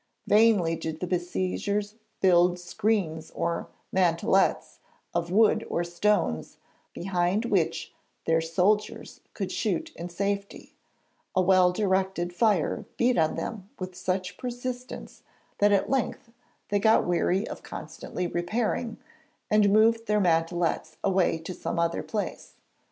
Vainly did the besiegers build screens or 'mantelets' of wood or stones, behind which their soldiers could shoot in safety; a well directed fire beat on them with such persistence that at length they got weary of constantly repairing, and moved their mantelets away to some other place.